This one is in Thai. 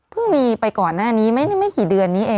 เพิ่งมีไปก่อนนะอันนี้ไม่กี่เดือนนี้เอง